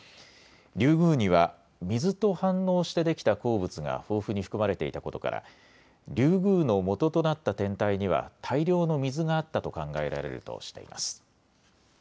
リュウグウには水と反応して出来た鉱物が豊富に含まれていたことからリュウグウの元となった天体には大量の水があったと考えられるとしています。